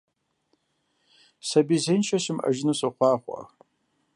Сабий зеиншэ щымыӀэжыну сохъуахъуэ!